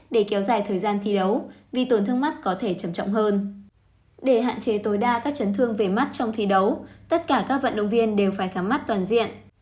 để hạn chế tối đa các chấn thương về mắt trong thi đấu tất cả các vận động viên đều phải khám mắt toàn diện